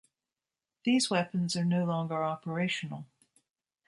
These weapons are no longer operational.